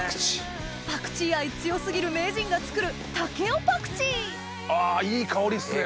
パクチー愛強過ぎる名人が作るたけおパクチーあいい香りっすね